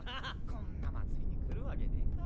こんな祭りに来るわけねぇか。